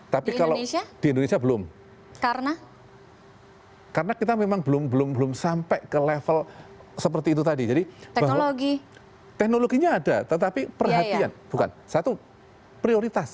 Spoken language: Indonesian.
tapi kalau di indonesia belum karena kita memang belum belum sampai ke level seperti itu tadi jadi bahwa teknologinya ada tetapi perhatian bukan satu prioritas